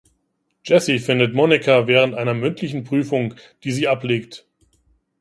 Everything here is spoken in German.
Jesse findet Monica während einer mündlichen Prüfung, die sie ablegt.